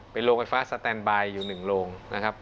เป็นโรงไฟฟ้าสแตนบายอยู่๑โรงนะครับ